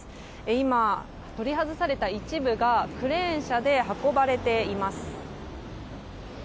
今、取り外された一部がクレーン車で運ばれています。